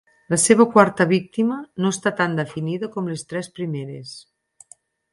La seva quarta víctima no està tan definida com les tres primeres.